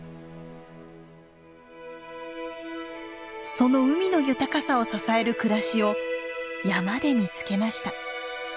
その海の豊かさを支える暮らしを山で見つけました。